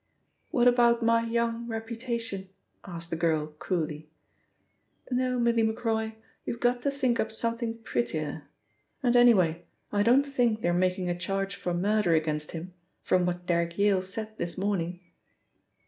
"What about my young reputation?" asked the girl coolly. "No, Milly Macroy, you've got to think up something prettier and, anyway, I don't think they're making a charge for murder against him, from what Derrick Yale said this morning."